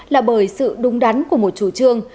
là bởi sự đúng đắn của một chủ trương